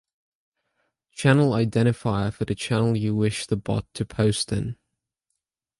Channel identifier for the channel you wish the bot to post in